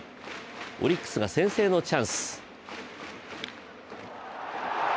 オリックスが先制のチャンス。